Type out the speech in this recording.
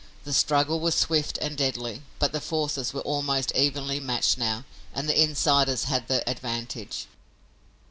The struggle was swift and deadly, but the forces were almost evenly matched now and the insiders had the advantage.